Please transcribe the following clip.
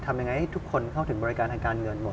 ทำยังไงให้ทุกคนเข้าถึงบริการทางการเงินหมด